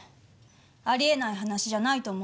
あり得ない話じゃないと思ったの。